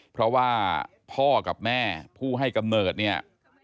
เพราะว่าพ่อกับแม่ผู้ให้กำเนิดเนี่ย